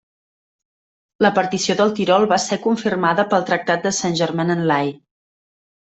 La partició del Tirol va ser confirmada pel Tractat de Saint-Germain-en-Laye.